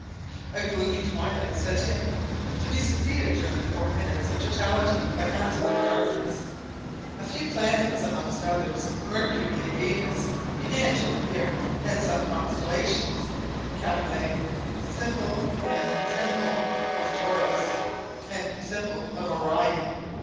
A gloomy twilight set in, to be succeeded during the four minutes of totality by absolute darkness. A few planets, amongst t others Mercury and Venus, began to appear, and some constellations—Caplet, [symbol] and [symbol] of Taurus, and [symbol] of Orion.